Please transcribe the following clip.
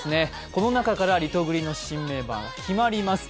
この中からリトグリの新メンバーが決まります。